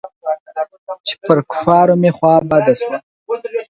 چې پر کفارو مې خوا بده سوه.